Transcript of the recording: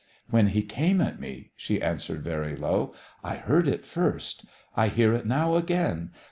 "When he came at me," she answered very low, "I heard it first. I hear it now again.